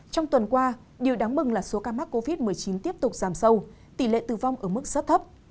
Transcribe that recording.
trong tuần qua điều đáng mừng là số ca mắc covid một mươi chín tiếp tục giảm sâu tỷ lệ tử vong ở mức rất thấp